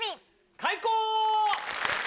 開講！